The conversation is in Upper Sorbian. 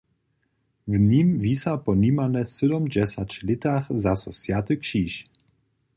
W nim wisa po nimale sydomdźesać lětach zaso swjaty křiž.